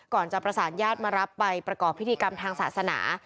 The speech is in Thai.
จะประสานญาติมารับไปประกอบพิธีกรรมทางศาสนา